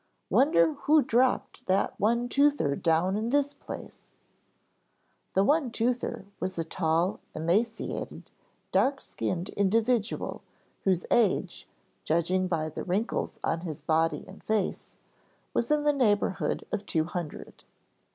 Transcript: "Wonder who dropped that one toother down in this place." The one toother was a tall, emaciated, dark skinned individual whose age, judging by the wrinkles on his body and face, was in the neighborhood of two hundred.